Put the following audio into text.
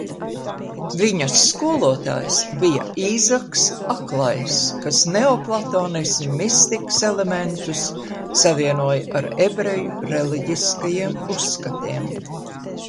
Viņa skolotājs bija Īzaks Aklais, kas neoplatonisma mistikas elementus savienoja ar ebreju reliģiskajiem uzskatiem.